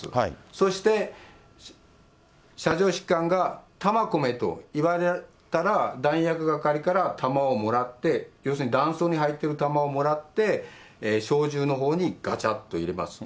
そして、射場指揮官が弾込めと言われたら、弾薬係から弾をもらって、要するに弾倉に入っている弾をもらって、小銃のほうにがちゃっと入れます。